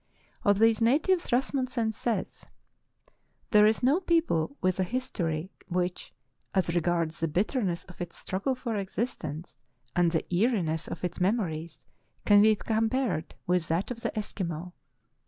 Of these natives Rasmussen says : "There is no people with a history which, as regards the bitterness of its struggle for existence and the eeriness of its memo ries, can be compared with that of the Eskimo. .